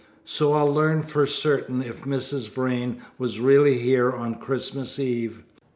"So I'll learn for certain if Mrs. Vrain was really here on Christmas Eve."